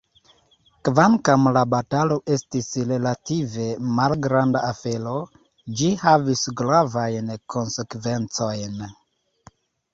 Kvankam la batalo estis relative malgranda afero, ĝi havis gravajn konsekvencojn.